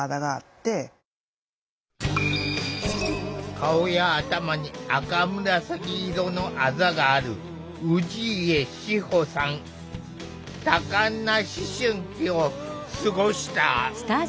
顔や頭に赤紫色のあざがある多感な思春期を過ごした。